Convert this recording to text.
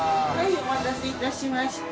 呂お待たせいたしました。